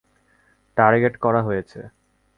Target করা হয়েছে।